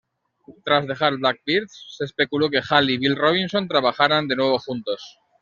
Tras dejar "Blackbirds", se especuló que Hall y Bill Robinson trabajaran de nuevo juntos.